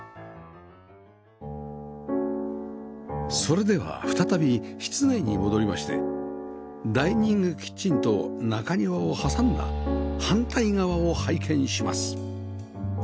それでは再び室内に戻りましてダイニングキッチンと中庭を挟んだ反対側を拝見します